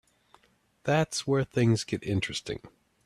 That's where things get interesting.